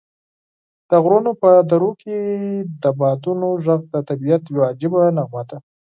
د غرونو په درو کې د بادونو غږ د طبعیت یوه عجیبه نغمه ده.